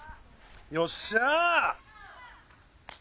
よっしゃー！